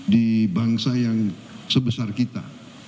di bangsa yang sebesar kita